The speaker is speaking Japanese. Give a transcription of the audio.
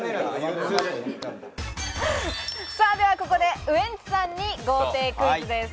ではここでウエンツさんに豪邸クイズです。